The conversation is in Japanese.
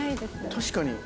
確かに。